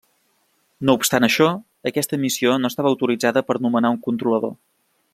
No obstant això, aquesta missió no estava autoritzada per nomenar un controlador.